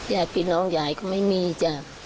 ญาติพี่น้องยายก็ไม่มีจ้ะ